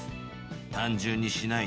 単純にしない。